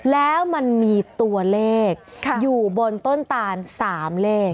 แล้วมันมีตัวเลขอยู่บนต้นตาน๓เลข